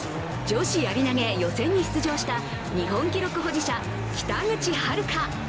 女子やり投予選に出場した日本記録保持者、北口榛花。